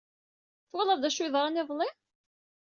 Twalaḍ d acu i yeḍran iḍelli?